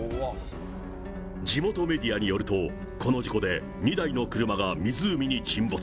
地元メディアによると、この事故で２台の車が湖に沈没。